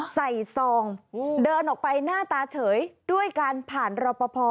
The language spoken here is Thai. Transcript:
ซองเดินออกไปหน้าตาเฉยด้วยการผ่านรอปภ